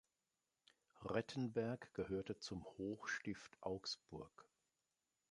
Rettenberg gehörte zum Hochstift Augsburg.